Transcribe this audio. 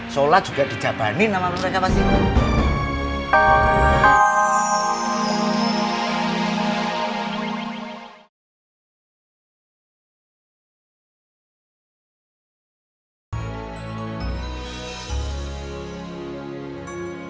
sholat juga dijabanin nama mereka pasti bang